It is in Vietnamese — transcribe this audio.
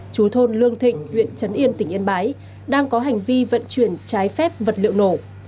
chú thôn lương thịnh huyện trấn yên tỉnh yên bái đang có hành vi vận chuyển trái phép vật liệu nổ